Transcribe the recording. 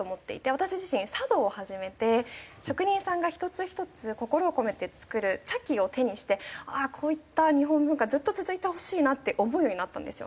私自身茶道を始めて職人さんが一つ一つ心を込めて作る茶器を手にしてこういった日本文化ずっと続いてほしいなって思うようになったんですよ。